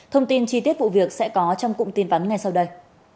thông tin chi tiết vụ việc sẽ có trong cụm tin vắn ngay sau đây